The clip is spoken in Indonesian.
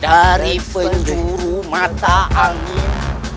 dari penjuru mata angin